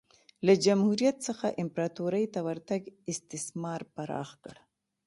له جمهوریت څخه امپراتورۍ ته ورتګ استثمار پراخ کړ